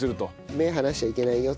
目離しちゃいけないよと。